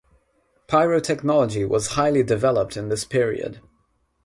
Pyrotechnology was highly developed in this period.